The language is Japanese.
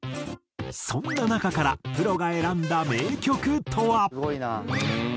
そんな中からプロが選んだ名曲とは？